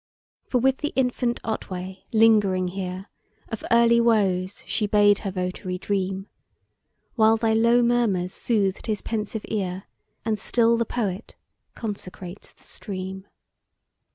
For with the infant Otway, lingering here, Of early woes she bade her votary dream, While thy low murmurs sooth'd his pensive ear And still the poet consecrates the stream.